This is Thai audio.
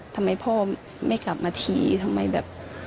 ทำไมพ่อไม่กลับมาทีทำไมแบบ